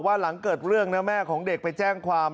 หลังเกิดเรื่องนะแม่ของเด็กไปแจ้งความ